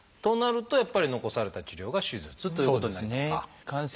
となるとやっぱり残された治療が「手術」ということになりますか？